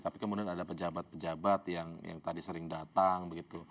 tapi kemudian ada pejabat pejabat yang tadi sering datang begitu